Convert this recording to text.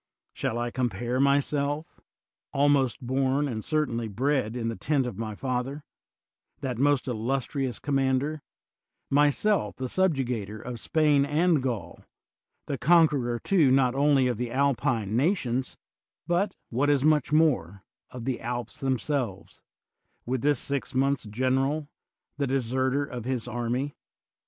Shall I compare myself — ^almost bom, and certainly bred, in the tent of my father,^ that most illustrious commander, myself the subjugator of Spain and Gaul, the conqueror too not only of the Alpine nations, but, what is much more, of the Alps themselves — ^with this six months' general, the deserter of his army?